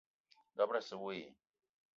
Dob-ro asse we i?